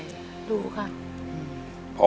รู้ค่ะ